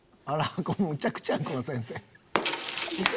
むちゃくちゃやこの先生。